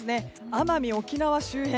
奄美、沖縄周辺